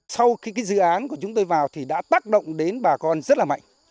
sau khi cái dự án của chúng tôi vào thì đã tác động đến bà con rất là mạnh